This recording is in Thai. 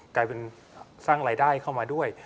กลายเป็นสร้างรายได้เข้ามาด้วย